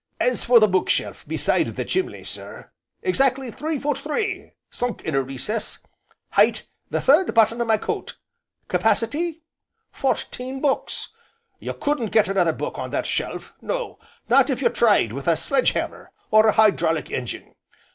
As for the book shelf beside the chimley, sir exactly three foot three, sunk in a recess height, the third button o' my coat, capacity, fourteen books. You couldn't get another book on that shelf no, not if you tried with a sledge hammer, or a hydraulic engine.